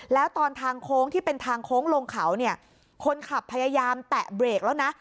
แล้วตอนทางโค้งที่เป็นทางโค้งลงเขาเนี่ยคนขับพยายามแตะเบรกแล้วนะ